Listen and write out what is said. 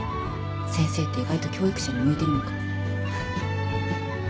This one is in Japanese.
先生って意外と教育者に向いてるのかも。